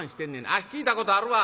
あっ聞いたことあるわ。